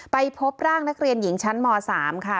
ไปพบร่างนักเรียนหญิงชั้นม๓ค่ะ